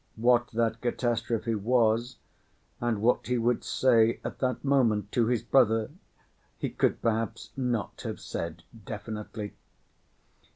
What that catastrophe was, and what he would say at that moment to his brother, he could perhaps not have said definitely.